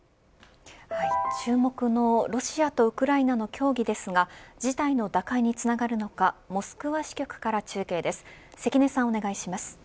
注目のロシアとウクライナの協議ですが事態の打開につながるのかモスクワ支局から中継です。